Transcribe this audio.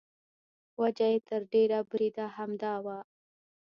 وجه یې تر ډېره بریده همدا وه.